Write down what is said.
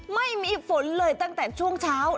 ไม่มีฝนเลยตั้งแต่ช่วงเช้า